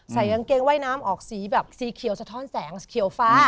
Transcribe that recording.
ใส่กางเกงว่ายน้ำออกสีแบบสีเขียวสะท้อนแสงเขียวฟ้า